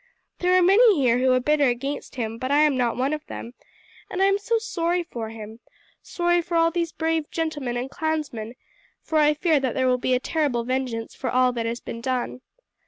There are many here who are bitter against him; but I am not one of them, and I am sorry for him, sorry for all these brave gentlemen and clansmen, for I fear that there will be a terrible vengeance for all that has been done.